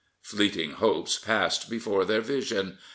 Fleeting hopes passed before their vision.